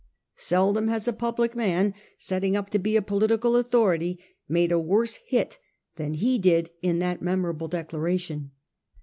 Seldom has a public man setting up to be a poli tical authority made a worse hit than he did in that memorable declaration.